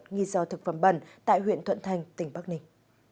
nghi do thực phẩm bẩn tại huyện thuận thành tỉnh bắc ninh